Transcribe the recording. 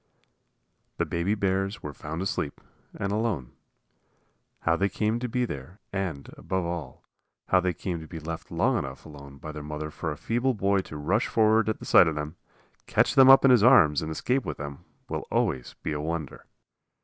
The baby bears were found asleep, and alone. How they came to be there, and, above all, how they came to be left long enough alone by their mother for a feeble boy to rush forward at sight of them, catch them up in his arms and escape with them, will always be a wonder.